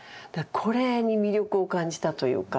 これに魅力を感じたというか。